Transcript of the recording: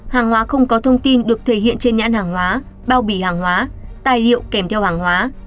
hàng hóa không có thông tin được thể hiện trên nhãn hàng hóa bao bì hàng hóa tài liệu kèm theo hàng hóa